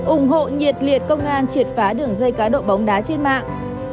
ủng hộ nhiệt liệt công an triệt phá đường dây cá độ bóng đá trên mạng